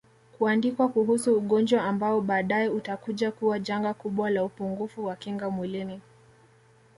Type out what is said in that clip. kuandikwa kuhusu ugonjwa ambao baadae utakuja kuwa janga kubwa la upungufu wa kinga mwilini